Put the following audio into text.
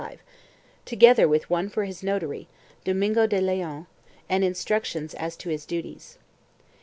(541) 542 APPENDIX together with one for his notary, Domingo de Leon, and instructions as to his duties.